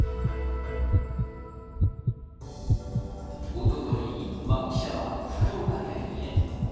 おととい、バンキシャは福岡県へ。